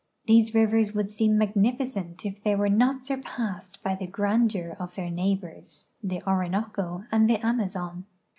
These rivers would seem magnificent if the}' were not surpa.ssed by the gran deur of their neighbors, the Orinoco and the Amazon.